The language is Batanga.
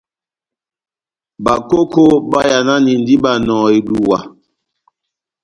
Bakoko bayananindi Banɔhɔ eduwa.